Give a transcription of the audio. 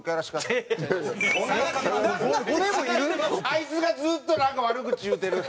あいつがずーっとなんか悪口言うてる。